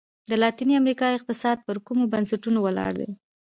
د لاتیني امریکا اقتصاد پر کومو بنسټونو ولاړ دی؟